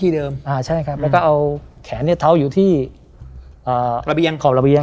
เดิมอ่าใช่ครับแล้วก็เอาแขนเนี่ยเท้าอยู่ที่ระเบียงขอบระเบียง